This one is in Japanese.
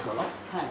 はい。